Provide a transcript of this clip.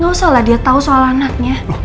gak usah lah dia tahu soal anaknya